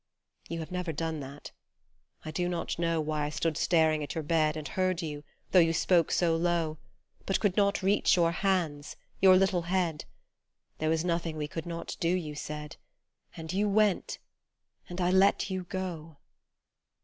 You have never done that : I do not know Why I stood staring at your bed And heard you, though you spoke so low, But could not reach your hands, your little head. There was nothing we could not do, you said, And you went, and I let you go